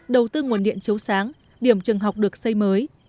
đầu tư nguồn điện chấu sáng điểm trường học được xây mới